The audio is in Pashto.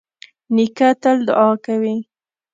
نیکه تل دعا کوي.